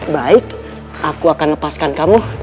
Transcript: baik aku akan lepaskan kamu